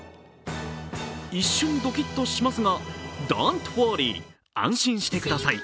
一瞬ドキッとしますがドント・ウォーリー、安心してください。